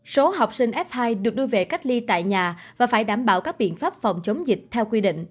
số học sinh f hai được đưa về cách ly tại nhà và phải đảm bảo các biện pháp phòng chống dịch theo quy định